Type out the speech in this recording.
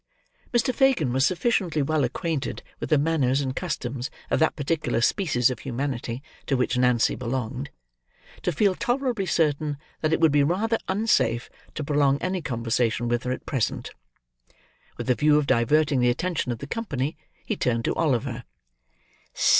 Mr. Fagin was sufficiently well acquainted with the manners and customs of that particular species of humanity to which Nancy belonged, to feel tolerably certain that it would be rather unsafe to prolong any conversation with her, at present. With the view of diverting the attention of the company, he turned to Oliver.